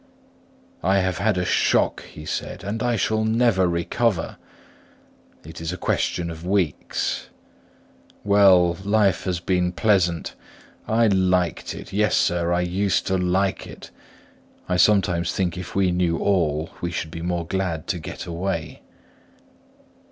"I have had a shock," he said, "and I shall never recover. It is a question of weeks. Well, life has been pleasant; I liked it; yes, sir, I used to like it. I sometimes think if we knew all, we should be more glad to get away."